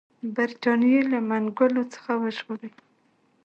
برټانیې له منګولو څخه وژغوري.